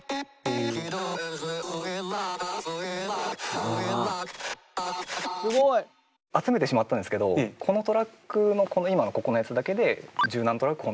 すごい！集めてしまったんですけどこのトラックの今のここのやつだけで十何トラック